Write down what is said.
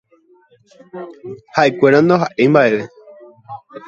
Haʼekuéra ndahaʼéi mbaʼeve.